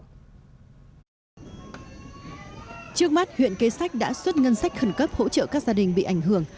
trước mắt huyện kế sách đã xuất ngân sách khẩn cấp hỗ trợ các gia đình bị ảnh hưởng